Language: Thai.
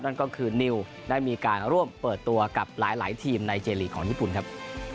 นั่นก็คือนิวได้มีการร่วมเปิดตัวกับหลายทีมในเจลีกของญี่ปุ่นครับ